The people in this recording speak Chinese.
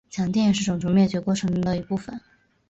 强奸也是种族灭绝过程的一部分。